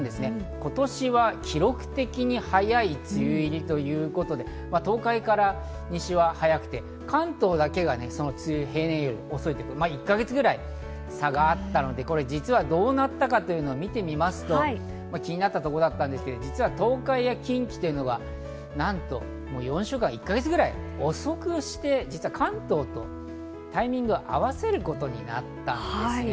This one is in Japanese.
今年は記録的に早い梅雨入りということで東海から西は早くて関東だけが平年より遅い１か月ぐらい差があったので、これ実はどうなったかというのを見てみますと、気になったとこだったんですが、実は東海や近畿というのはなんと４週間、１か月ぐらい遅くして実は関東とタイミングを合わせることになったんですね。